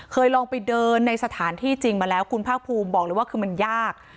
ลองไปเดินในสถานที่จริงมาแล้วคุณภาคภูมิบอกเลยว่าคือมันยาก